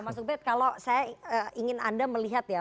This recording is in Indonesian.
mas ubed kalau saya ingin anda melihat ya